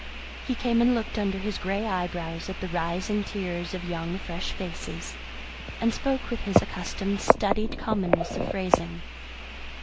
He came and looked under his grey eyebrows at the rising tiers of young fresh faces, and spoke with his accustomed studied commonness of phrasing.